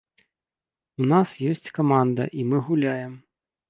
У нас ёсць каманда, і мы гуляем.